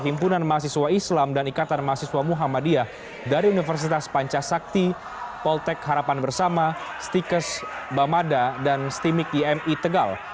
himpunan mahasiswa islam dan ikatan mahasiswa muhammadiyah dari universitas panca sakti poltek harapan bersama stikes bamada dan stimik imi tegal